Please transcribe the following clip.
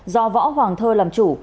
do võ hoàng thơ làm chủ